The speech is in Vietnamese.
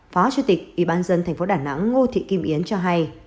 phó chủ tịch y bán dân tp đn ngô thị kim yến cho hay